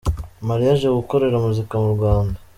Maliya aje gukorera muzika mu Rwanda